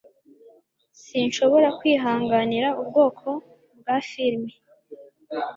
Sinshobora kwihanganira ubwoko bwa firime